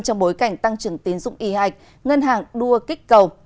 trong bối cảnh tăng trưởng tiến dụng y hạch ngân hàng đua kích cầu